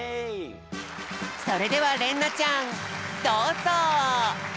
それではれんなちゃんどうぞ！